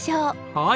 はい！